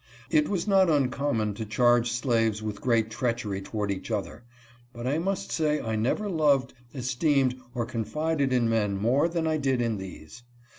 It was not uncommon to charge slaves with great treachery toward each other, but I must say I never loved, esteemed, or confided in men more than I did in these.